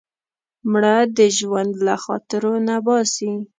مړه د ژوند له خاطرو نه باسې